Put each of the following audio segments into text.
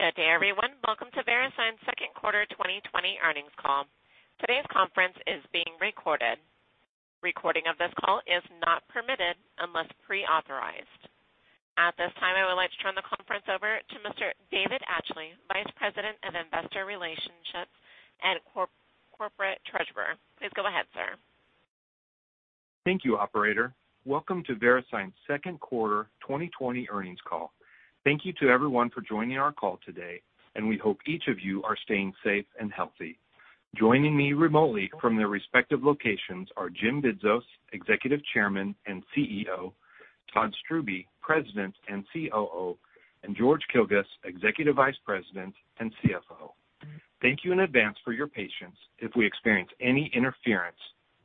Good day, everyone. Welcome to VeriSign's second quarter 2020 earnings call. Today's conference is being recorded. Recording of this call is not permitted unless pre-authorized. At this time, I would like to turn the conference over to Mr. David Atchley, Vice President of Investor Relations and Corporate Treasurer. Please go ahead, sir. Thank you, operator. Welcome to VeriSign's second quarter 2020 earnings call. Thank you to everyone for joining our call today, and we hope each of you are staying safe and healthy. Joining me remotely from their respective locations are Jim Bidzos, Executive Chairman and CEO, Todd Strubbe, President and COO, and George Kilguss, Executive Vice President and CFO. Thank you in advance for your patience if we experience any interference,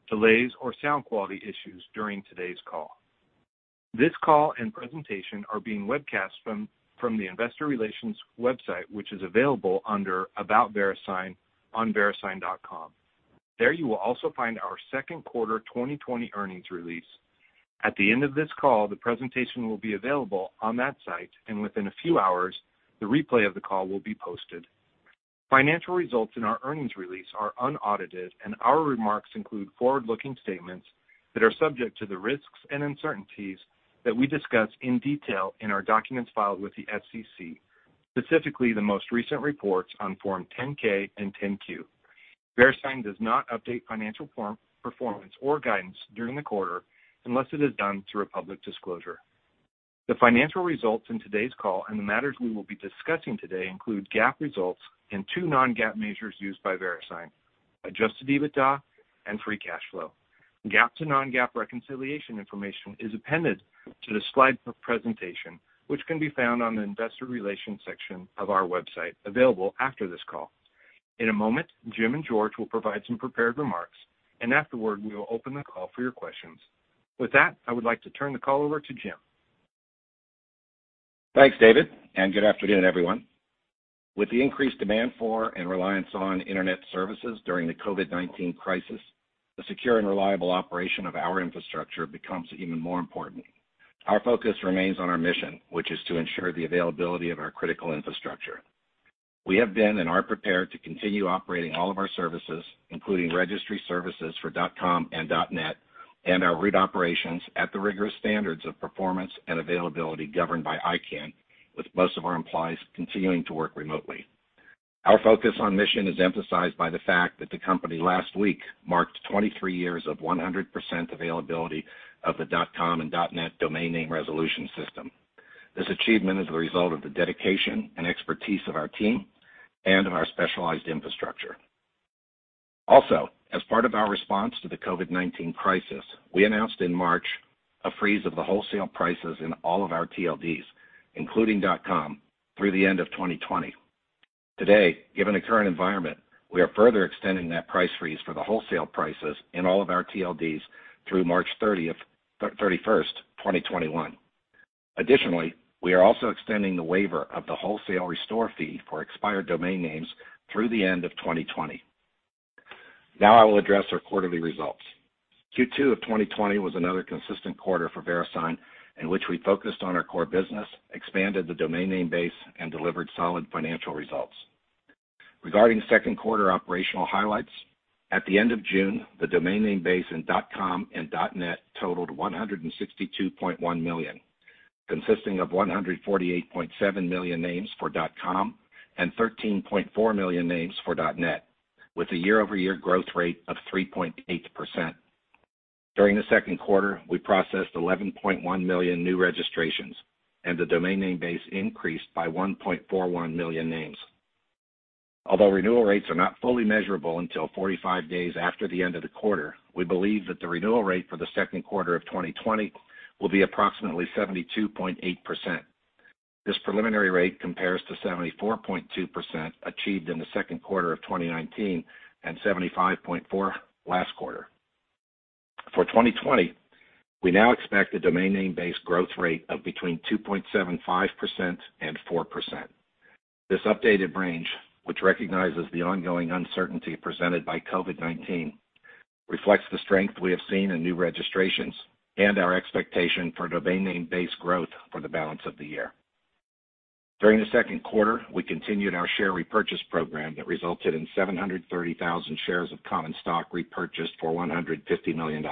delays, or sound quality issues during today's call. This call and presentation are being webcast from the investor relations website, which is available under About VeriSign on verisign.com. There you will also find our second quarter 2020 earnings release. At the end of this call, the presentation will be available on that site, and within a few hours, the replay of the call will be posted. Financial results in our earnings release are unaudited, and our remarks include forward-looking statements that are subject to the risks and uncertainties that we discuss in detail in our documents filed with the SEC, specifically the most recent reports on Form 10-K and 10-Q. VeriSign does not update financial performance or guidance during the quarter unless it is done through a public disclosure. The financial results in today's call and the matters we will be discussing today include GAAP results and two non-GAAP measures used by VeriSign, adjusted EBITDA and free cash flow. GAAP to non-GAAP reconciliation information is appended to the slide presentation, which can be found on the investor relations section of our website, available after this call. In a moment, Jim and George will provide some prepared remarks, and afterward, we will open the call for your questions. With that, I would like to turn the call over to Jim. Thanks, David, and good afternoon, everyone. With the increased demand for and reliance on internet services during the COVID-19 crisis, the secure and reliable operation of our infrastructure becomes even more important. Our focus remains on our mission, which is to ensure the availability of our critical infrastructure. We have been and are prepared to continue operating all of our services, including registry services for .com and .net, and our root operations at the rigorous standards of performance and availability governed by ICANN, with most of our employees continuing to work remotely. Our focus on mission is emphasized by the fact that the company last week marked 23 years of 100% availability of the .com and .net domain name resolution system. This achievement is the result of the dedication and expertise of our team and of our specialized infrastructure. Also, as part of our response to the COVID-19 crisis, we announced in March a freeze of the wholesale prices in all of our TLDs, including .com, through the end of 2020. Today, given the current environment, we are further extending that price freeze for the wholesale prices in all of our TLDs through March 31st, 2021. Additionally, we are also extending the waiver of the wholesale restore fee for expired domain names through the end of 2020. Now I will address our quarterly results. Q2 of 2020 was another consistent quarter for VeriSign, in which we focused on our core business, expanded the domain name base, and delivered solid financial results. Regarding second quarter operational highlights, at the end of June, the domain name base in .com and .net totaled 162.1 million, consisting of 148.7 million names for .com and 13.4 million names for .net, with a year-over-year growth rate of 3.8%. During the second quarter, we processed 11.1 million new registrations, and the domain name base increased by 1.41 million names. Although renewal rates are not fully measurable until 45 days after the end of the quarter, we believe that the renewal rate for the second quarter of 2020 will be approximately 72.8%. This preliminary rate compares to 74.2% achieved in the second quarter of 2019 and 75.4% last quarter. For 2020, we now expect a domain name-base growth rate of between 2.75% and 4%. This updated range, which recognizes the ongoing uncertainty presented by COVID-19, reflects the strength we have seen in new registrations and our expectation for domain name-base growth for the balance of the year. During the second quarter, we continued our share repurchase program that resulted in 730,000 shares of common stock repurchased for $150 million.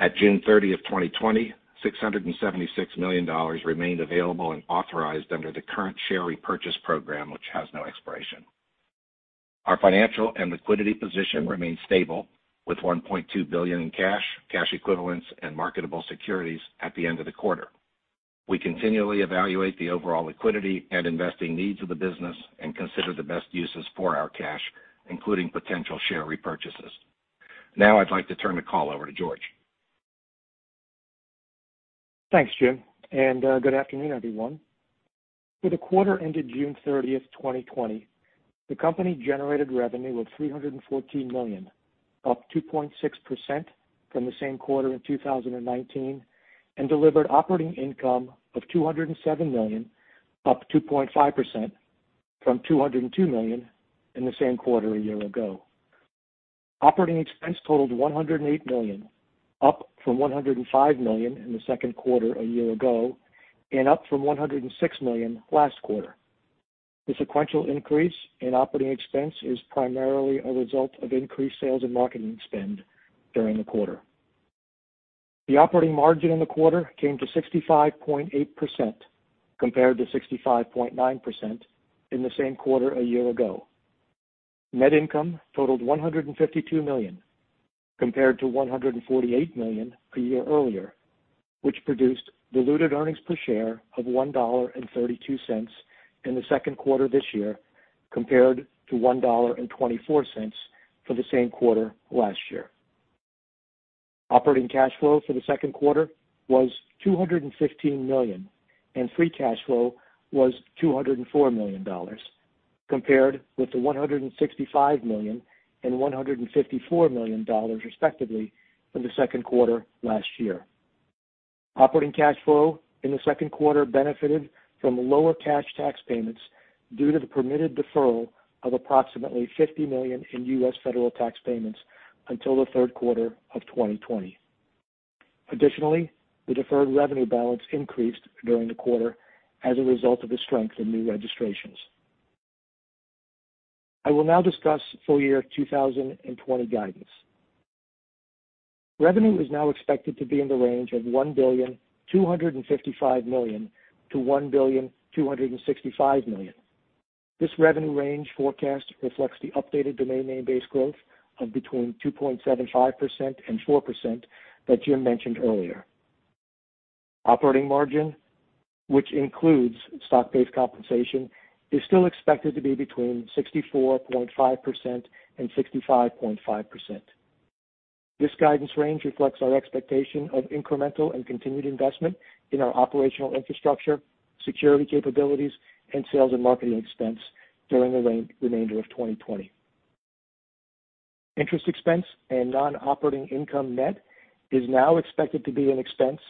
At June 30th, 2020, $676 million remained available and authorized under the current share repurchase program, which has no expiration. Our financial and liquidity position remains stable, with $1.2 billion in cash equivalents and marketable securities at the end of the quarter. We continually evaluate the overall liquidity and investing needs of the business and consider the best uses for our cash, including potential share repurchases. Now I'd like to turn the call over to George. Thanks, Jim, and good afternoon, everyone. For the quarter ended June 30th, 2020, the company generated revenue of $314 million, up 2.6% from the same quarter in 2019, and delivered operating income of $207 million, up 2.5% from $202 million in the same quarter a year ago. Operating expense totaled $108 million, up from $105 million in the second quarter a year ago, and up from $106 million last quarter. The sequential increase in operating expense is primarily a result of increased sales and marketing spend during the quarter. The operating margin in the quarter came to 65.8%, compared to 65.9% in the same quarter a year ago. Net income totaled $152 million, compared to $148 million a year earlier, which produced diluted earnings per share of $1.32 in the second quarter this year, compared to $1.24 for the same quarter last year. Operating cash flow for the second quarter was $215 million, and free cash flow was $204 million, compared with the $165 million and $154 million, respectively, in the second quarter last year. Operating cash flow in the second quarter benefited from lower cash tax payments due to the permitted deferral of approximately $50 million in U.S. federal tax payments until the third quarter of 2020. Additionally, the deferred revenue balance increased during the quarter as a result of the strength in new registrations. I will now discuss full-year 2020 guidance. Revenue is now expected to be in the range of $1.255 billion to $1.265 billion. This revenue range forecast reflects the updated domain name base growth of between 2.75% and 4% that Jim mentioned earlier. Operating margin, which includes stock-based compensation, is still expected to be between 64.5% and 65.5%. This guidance range reflects our expectation of incremental and continued investment in our operational infrastructure, security capabilities, and sales and marketing expense during the remainder of 2020. Interest expense and non-operating income net is now expected to be an expense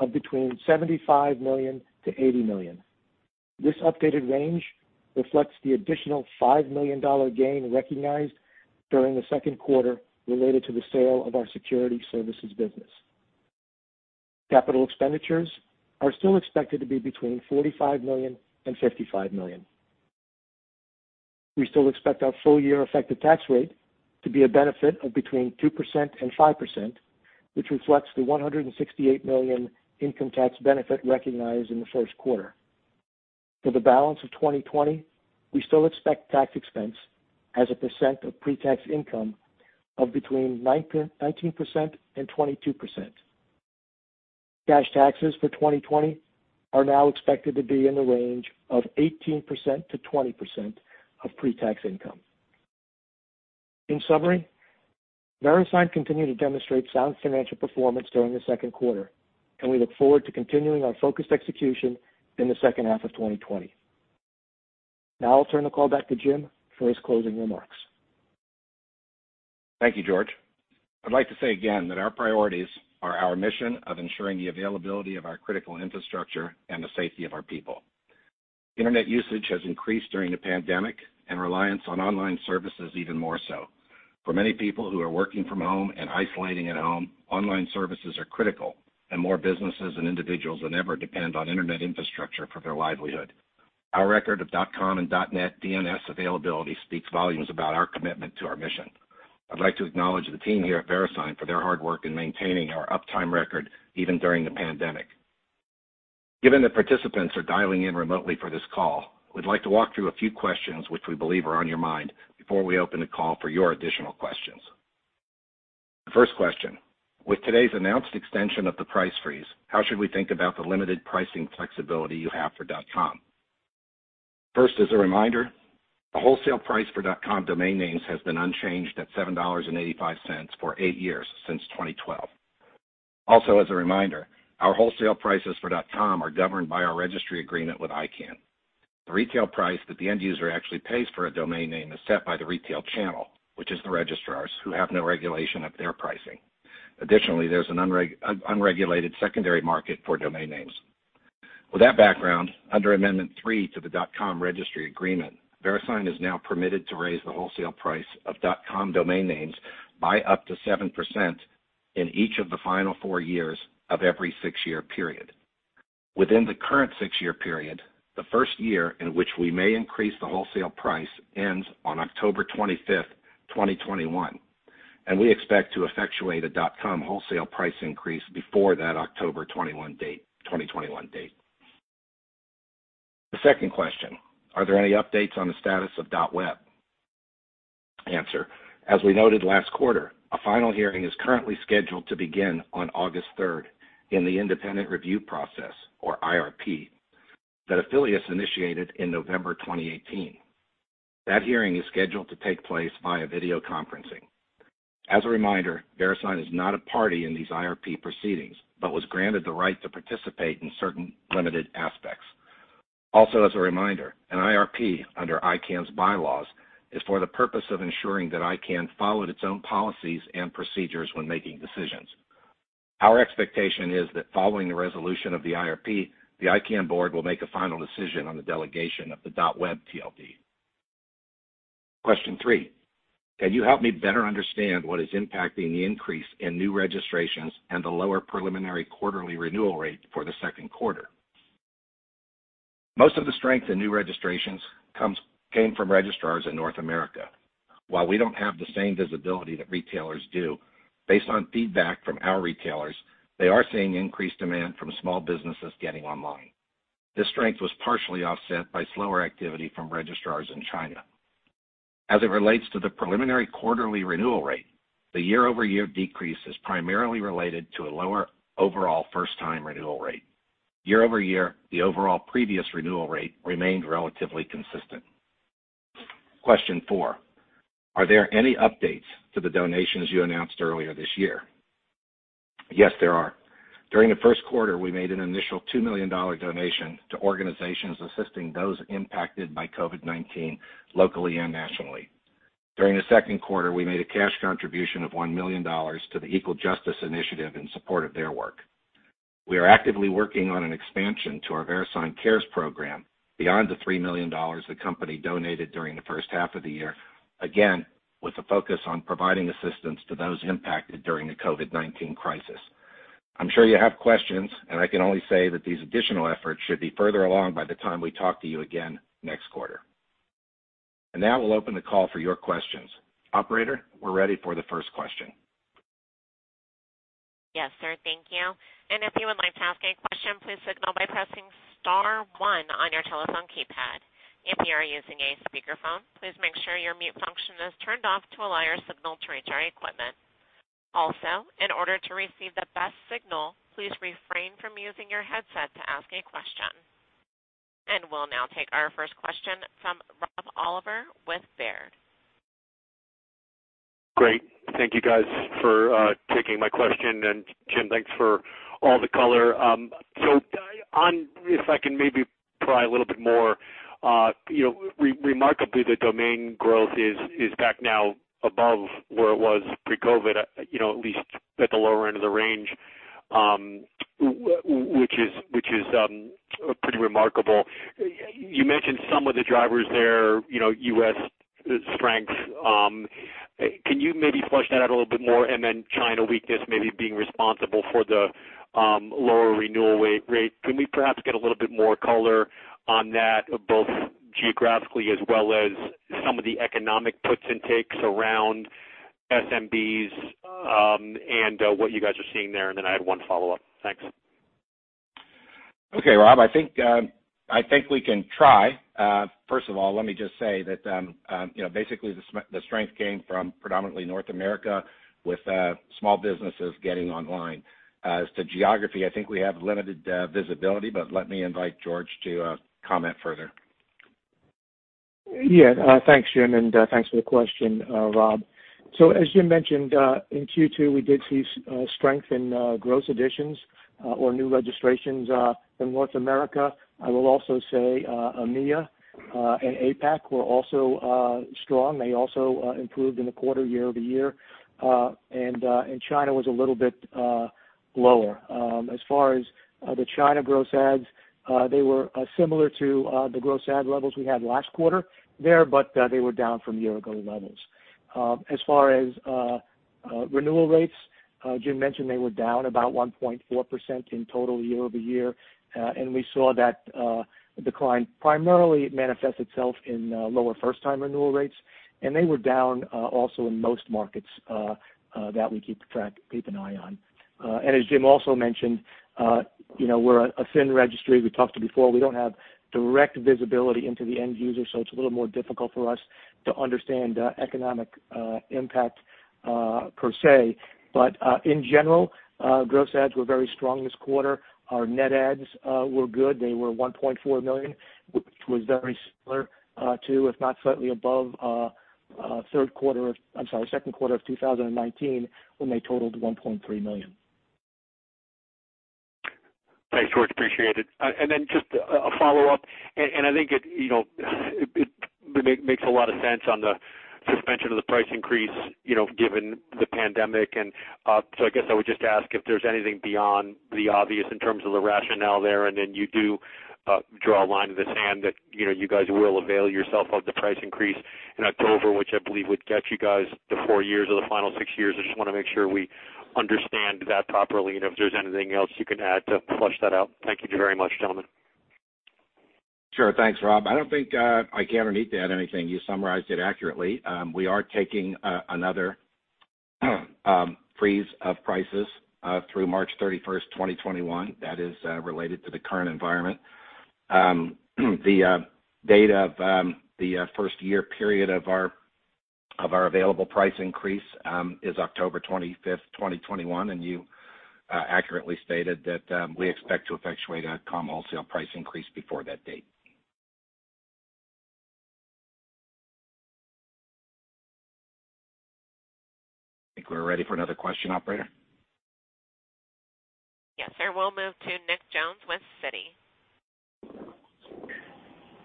of between $75 million-$80 million. This updated range reflects the additional $5 million gain recognized during the second quarter related to the sale of our security services business. Capital expenditures are still expected to be between $45 million and $55 million. We still expect our full-year effective tax rate to be a benefit of between 2% and 5%, which reflects the $168 million income tax benefit recognized in the first quarter. For the balance of 2020, we still expect tax expense as a percent of pre-tax income of between 19% and 22%. Cash taxes for 2020 are now expected to be in the range of 18%-20% of pre-tax income. In summary, VeriSign continued to demonstrate sound financial performance during the second quarter, and we look forward to continuing our focused execution in the second half of 2020. Now I'll turn the call back to Jim for his closing remarks. Thank you, George. I'd like to say again that our priorities are our mission of ensuring the availability of our critical infrastructure and the safety of our people. Internet usage has increased during the pandemic, and reliance on online services even more so. For many people who are working from home and isolating at home, online services are critical, and more businesses and individuals than ever depend on internet infrastructure for their livelihood. Our record of .com and .net DNS availability speaks volumes about our commitment to our mission. I'd like to acknowledge the team here at VeriSign for their hard work in maintaining our uptime record, even during the pandemic. Given that participants are dialing in remotely for this call, we'd like to walk through a few questions which we believe are on your mind before we open the call for your additional questions. First question: With today's announced extension of the price freeze, how should we think about the limited pricing flexibility you have for .com? As a reminder, the wholesale price for .com domain names has been unchanged at $7.85 for eight years, since 2012. As a reminder, our wholesale prices for .com are governed by our Registry Agreement with ICANN. The retail price that the end user actually pays for a domain name is set by the retail channel, which is the registrars, who have no regulation of their pricing. There's an unregulated secondary market for domain names. With that background, under Amendment 3 to the .com Registry Agreement, VeriSign is now permitted to raise the wholesale price of .com domain names by up to 7% in each of the final four years of every six-year period. Within the current six-year period, the first year in which we may increase the wholesale price ends on October 25th, 2021, and we expect to effectuate a .com wholesale price increase before that October 21 date, 2021 date. The second question: Are there any updates on the status of .web? Answer: As we noted last quarter, a final hearing is currently scheduled to begin on August third in the independent review process, or IRP, that Afilias initiated in November 2018. That hearing is scheduled to take place via video conferencing. As a reminder, VeriSign is not a party in these IRP proceedings but was granted the right to participate in certain limited aspects. Also, as a reminder, an IRP under ICANN's bylaws is for the purpose of ensuring that ICANN followed its own policies and procedures when making decisions. Our expectation is that following the resolution of the IRP, the ICANN Board will make a final decision on the delegation of the .web TLD. Question three: Can you help me better understand what is impacting the increase in new registrations and the lower preliminary quarterly renewal rate for the second quarter? Most of the strength in new registrations came from registrars in North America. While we don't have the same visibility that registrars do, based on feedback from our registrars, they are seeing increased demand from small businesses getting online. This strength was partially offset by slower activity from registrars in China. As it relates to the preliminary quarterly renewal rate, the year-over-year decrease is primarily related to a lower overall first-time renewal rate. Year-over-year, the overall previous renewal rate remained relatively consistent. Question four, are there any updates to the donations you announced earlier this year? Yes, there are. During the first quarter, we made an initial $2 million donation to organizations assisting those impacted by COVID-19 locally and nationally. During the second quarter, we made a cash contribution of $1 million to the Equal Justice Initiative in support of their work. We are actively working on an expansion to our VeriSign Cares program beyond the $3 million the company donated during the first half of the year, again, with a focus on providing assistance to those impacted during the COVID-19 crisis. I'm sure you have questions. I can only say that these additional efforts should be further along by the time we talk to you again next quarter. Now we'll open the call for your questions. Operator, we're ready for the first question. Yes, sir. Thank you. If you would like to ask a question, please signal by pressing star one on your telephone keypad. If you are using a speakerphone, please make sure your mute function is turned off to allow your signal to reach our equipment. Also, in order to receive the best signal, please refrain from using your headset to ask a question. We'll now take our first question from Rob Oliver with Baird. Great. Thank you, guys, for taking my question, and Jim, thanks for all the color. If I can maybe pry a little bit more, remarkably, the domain growth is back now above where it was pre-COVID, at least at the lower end of the range, which is pretty remarkable. You mentioned some of the drivers there, U.S. strengths. Can you maybe flesh that out a little bit more? China weakness maybe being responsible for the lower renewal rate. Can we perhaps get a little bit more color on that, both geographically as well as some of the economic puts and takes around SMBs, and what you guys are seeing there? I have one follow-up. Thanks. Okay, Rob. I think we can try. First of all, let me just say that basically the strength came from predominantly North America, with small businesses getting online. As to geography, I think we have limited visibility, but let me invite George to comment further. Yeah. Thanks, Jim, and thanks for the question, Rob. As Jim mentioned, in Q2, we did see strength in gross additions or new registrations in North America. I will also say EMEA and APAC were also strong. They also improved in the quarter year-over-year. China was a little bit lower. As far as the China gross adds, they were similar to the gross add levels we had last quarter there, but they were down from year-ago levels. As far as renewal rates, Jim mentioned they were down about 1.4% in total year-over-year. We saw that decline primarily manifest itself in lower first-time renewal rates, and they were down also in most markets that we keep an eye on. As Jim also mentioned, we're a thin registry. We talked to before. We don't have direct visibility into the end user, so it's a little more difficult for us to understand economic impact per se. In general, gross adds were very strong this quarter. Our net adds were good. They were $1.4 million, which was very similar to, if not slightly above, second quarter of 2019, when they totaled $1.3 million. Thanks, George. Appreciate it. Just a follow-up, I think it makes a lot of sense on the suspension of the price increase, given the pandemic. I guess I would just ask if there's anything beyond the obvious in terms of the rationale there. You do draw a line in the sand that you guys will avail yourself of the price increase in October, which I believe would get you guys to four years of the final six years. I just want to make sure we understand that properly. If there's anything else you can add to flesh that out. Thank you very much, gentlemen. Sure. Thanks, Rob. I don't think I can or need to add anything. You summarized it accurately. We are taking another freeze of prices through March 31st, 2021. That is related to the current environment. The date of the first-year period of our available price increase is October 25th, 2021, and you accurately stated that we expect to effectuate a .com wholesale price increase before that date. I think we're ready for another question, operator. Yes, sir. We'll move to Nick Jones with Citi.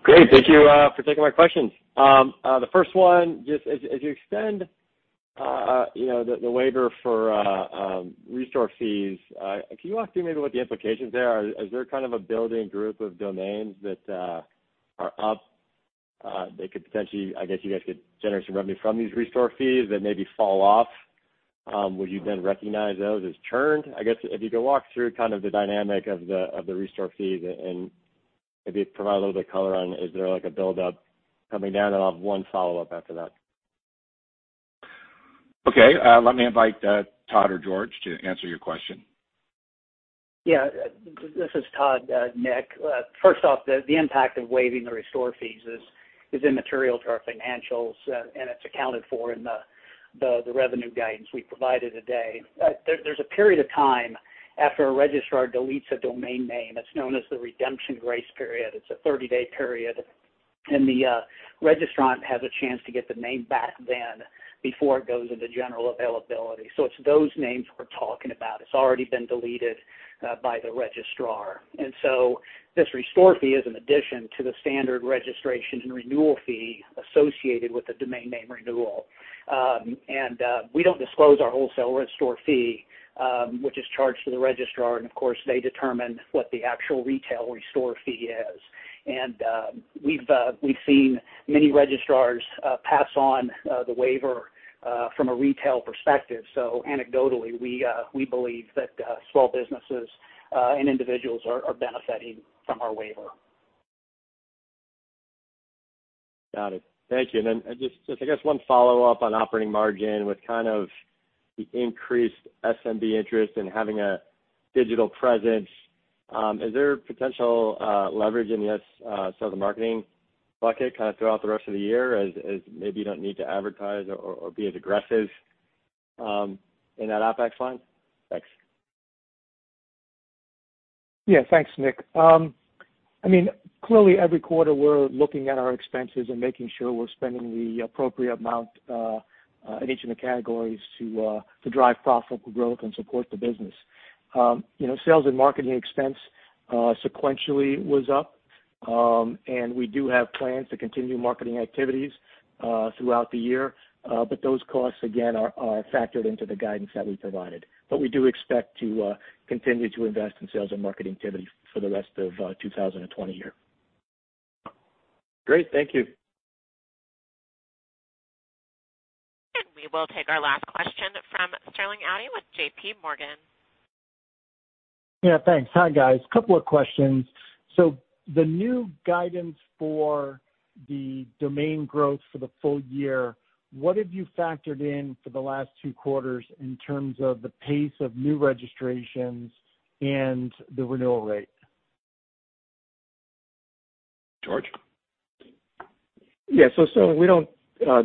Great. Thank you for taking my questions. The first one, as you extend the waiver for restore fees, can you walk through maybe what the implications there are? Is there kind of a building group of domains that are up that could potentially, I guess, you guys could generate some revenue from these restore fees that maybe fall off? Would you then recognize those as churn? I guess if you could walk through kind of the dynamic of the restore fees and maybe provide a little bit of color on, is there a build-up coming down? I'll have one follow-up after that. Okay. Let me invite Todd or George to answer your question. This is Todd, Nick. First off, the impact of waiving the restore fees is immaterial to our financials, and it's accounted for in the revenue guidance we provided today. There's a period of time after a registrar deletes a domain name. It's known as the Redemption Grace Period. It's a 30-day period; the registrant has a chance to get the name back then before it goes into general availability. It's those names we're talking about. It's already been deleted by the registrar. This restore fee is an addition to the standard registration and renewal fee associated with the domain name renewal. We don't disclose our wholesale restore fee, which is charged to the registrar, and of course, they determine what the actual retail restore fee is. We've seen many registrars pass on the waiver from a retail perspective. Anecdotally, we believe that small businesses and individuals are benefiting from our waiver. Got it. Thank you. Then, just, I guess one follow-up on operating margin with kind of the increased SMB interest in having a digital presence. Is there potential leverage in the sales and marketing bucket kind of throughout the rest of the year, as maybe you don't need to advertise or be as aggressive in that OpEx line? Thanks. Yeah. Thanks, Nick. Clearly, every quarter, we're looking at our expenses and making sure we're spending the appropriate amount in each of the categories to drive profitable growth and support the business. Sales and marketing expense sequentially was up. We do have plans to continue marketing activities throughout the year. Those costs, again, are factored into the guidance that we provided. We do expect to continue to invest in sales and marketing activity for the rest of 2020 year. Great. Thank you. We will take our last question from Sterling Auty with JPMorgan. Yeah, thanks. Hi, guys. Couple of questions. The new guidance for the domain growth for the full year, what have you factored in for the last two quarters in terms of the pace of new registrations and the renewal rate? George? Sterling, we don't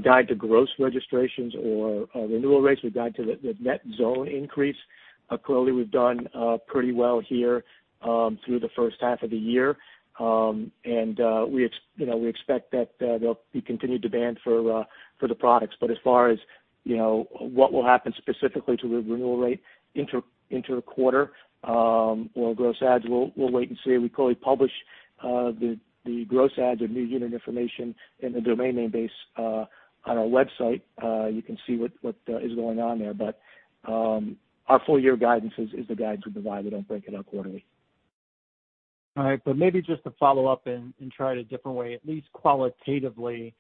guide to gross registrations or renewal rates. We guide to the net zone increase. Clearly, we've done pretty well here through the first half of the year. We expect that there'll be continued demand for the products. As far as what will happen specifically to the renewal rate inter-quarter or gross adds, we'll wait and see. We clearly publish the gross adds of new unit information in the domain name base on our website. You can see what is going on there. Our full-year guidance is the guide we provide. We don't break it out quarterly. All right. Maybe just to follow up and try it a different way, at least qualitatively,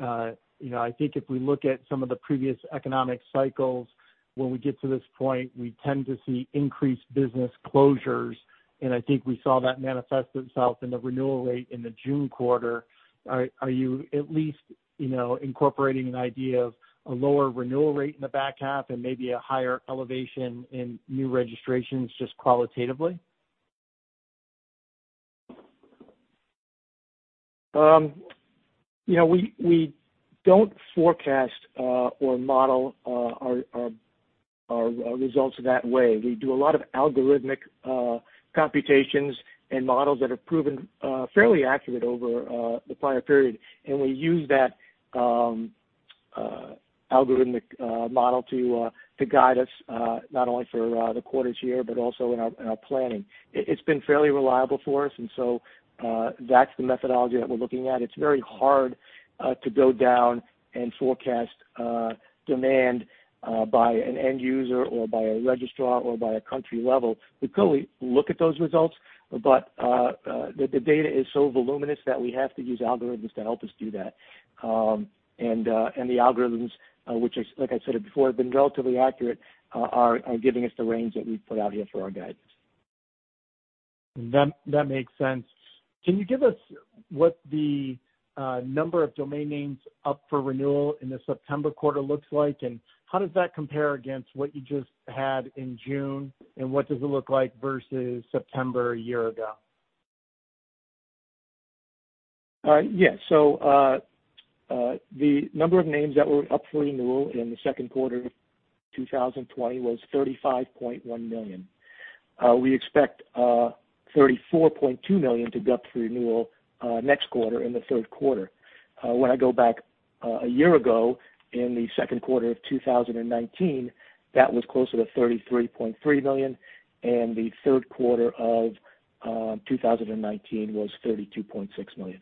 I think if we look at some of the previous economic cycles, when we get to this point, we tend to see increased business closures, and I think we saw that manifest itself in the renewal rate in the June quarter. Are you at least incorporating an idea of a lower renewal rate in the back half and maybe a higher elevation in new registrations just qualitatively? We don't forecast or model our results that way. We do a lot of algorithmic computations and models that have proven fairly accurate over the prior period. We use that algorithmic model to guide us, not only for the quarters year, but also in our planning. It's been fairly reliable for us. That's the methodology that we're looking at. It's very hard to go down and forecast demand by an end user or by a registrar, or by a country level. We clearly look at those results. The data is so voluminous that we have to use algorithms to help us do that. The algorithms, which is, like I said it before, have been relatively accurate, are giving us the range that we've put out here for our guidance. That makes sense. Can you give us what the number of domain names up for renewal in the September quarter looks like, and how does that compare against what you just had in June, and what does it look like versus September a year ago? The number of names that were up for renewal in the second quarter 2020 was $35.1 million. We expect $34.2 million to be up for renewal next quarter in the third quarter. When I go back a year ago, in the second quarter of 2019, that was closer to $33.3 million, and the third quarter of 2019 was $32.6 million.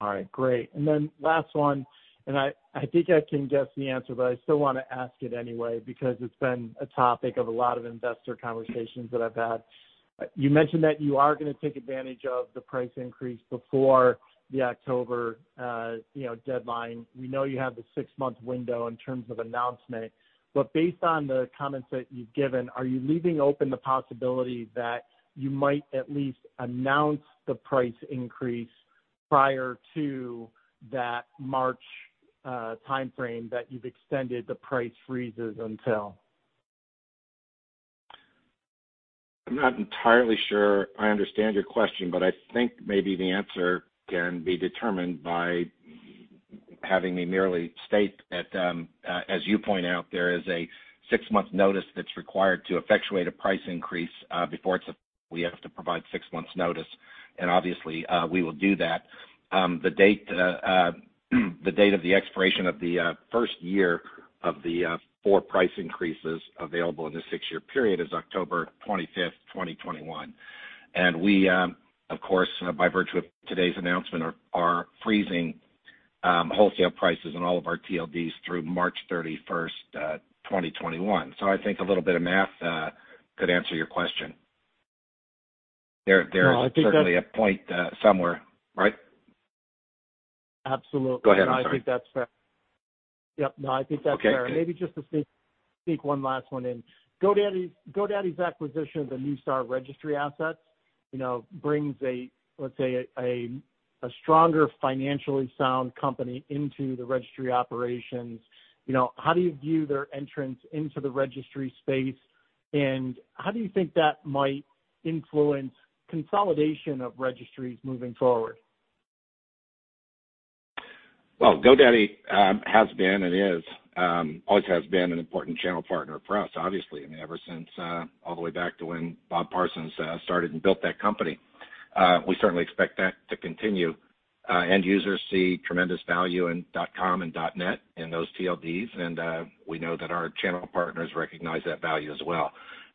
All right, great. Then last one, I think I can guess the answer, I still want to ask it anyway because it's been a topic of a lot of investor conversations that I've had. You mentioned that you are going to take advantage of the price increase before the October deadline. We know you have the six-month window in terms of announcement. Based on the comments that you've given, are you leaving open the possibility that you might at least announce the price increase prior to that March timeframe that you've extended the price freezes until? I'm not entirely sure I understand your question, but I think maybe the answer can be determined by having me merely state that, as you point out, there is a six-month notice that's required to effectuate a price increase. We have to provide six months' notice. Obviously, we will do that. The date of the expiration of the first year of the four price increases available in this six-year period is October 25th, 2021. We, of course, by virtue of today's announcement, are freezing wholesale prices on all of our TLDs through March 31st, 2021. I think a little bit of math could answer your question. No, I think that- Certainly a point somewhere, right? Absolutely. Go ahead. I'm sorry. No, I think that's fair. Yep. No, I think that's fair. Okay. Maybe just to sneak one last one in. GoDaddy's acquisition of the Neustar Registry assets brings, let's say, a stronger, financially sound company into the registry operations. How do you view their entrance into the registry space, and how do you think that might influence consolidation of registries moving forward? Well, GoDaddy has been and is, always has been an important channel partner for us, obviously. Ever since all the way back to when Bob Parsons started and built that company. We certainly expect that to continue. End users see tremendous value in .com and .net and those TLDs, and we know that our channel partners recognize that value as well.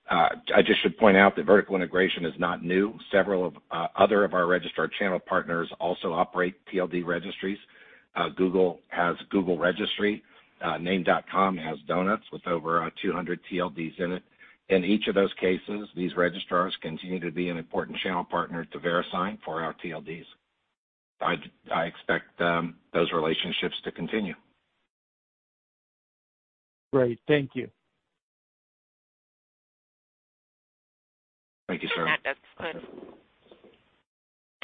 I just should point out that vertical integration is not new. Several of our registrars channel partners also operate TLD registries. Google has Google Registry. Name.com has Donuts with over 200 TLDs in it. In each of those cases, these registrars continue to be an important channel partner to VeriSign for our TLDs. I expect those relationships to continue. Great. Thank you. Thank you, sir.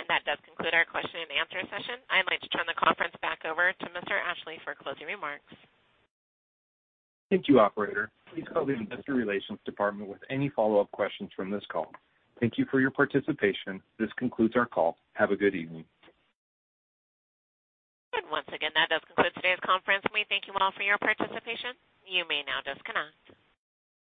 That does conclude our question and answer session. I'd like to turn the conference back over to Mr. Atchley for closing remarks. Thank you, operator. Please call the investor relations department with any follow-up questions from this call. Thank you for your participation. This concludes our call. Have a good evening. Once again, that does conclude today's conference. We thank you all for your participation. You may now disconnect.